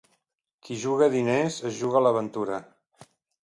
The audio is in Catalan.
Qui juga diners, es juga la ventura.